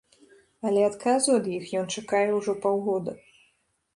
Але адказу ад іх ён чакае ўжо паўгода.